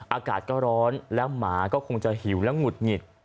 อากาศก็ร้อนแล้วหมาก็คงจะหิวและหุดหงิด